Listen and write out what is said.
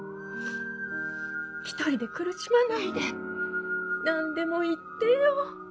一人で苦しまないで何でも言ってよ。